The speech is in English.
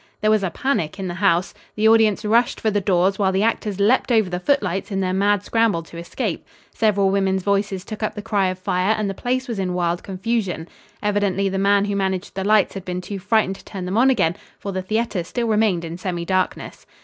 There was a panic in the house. The audience rushed for the doors while the actors leaped over the footlights in their mad scramble to escape. Several women's voices took up the cry of fire and the place was in wild confusion. Evidently the man who managed the lights had been too frightened to turn them on again, for the theater still remained in semi darkness.